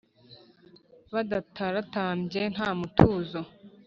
badataratambye ntamutuzo